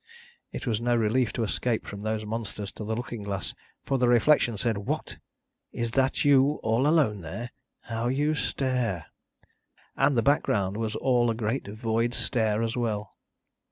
It was no relief to escape from those monsters to the looking glass, for the reflection said, "What? Is that you all alone there? How you stare!" And the background was all a great void stare as well.